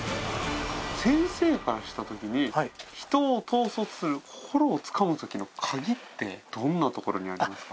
先生からした時に人を統率する心をつかむ時の鍵ってどんなところにありますか？